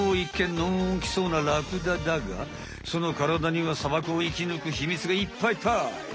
のんきそうなラクダだがそのからだには砂漠を生きぬくヒミツがいっぱいいっぱい。